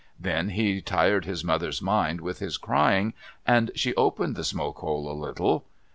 Then he tired his mother's mind with his crying, and she opened the smoke hole a little.